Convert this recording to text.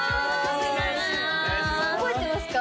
覚えてますか？